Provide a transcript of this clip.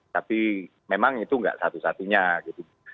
tapi memang itu nggak satu satunya gitu